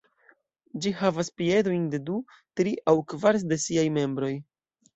Ĝi havas piedojn de du, tri aŭ kvar de siaj membroj.